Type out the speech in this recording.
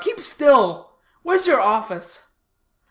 Keep still. Where's your office?"